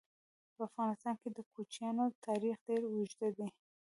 په افغانستان کې د کوچیانو تاریخ ډېر اوږد دی.